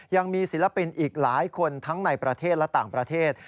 ยังมีศิลปินอีกหลายคนทั้งในประเทศและต่างประเทศ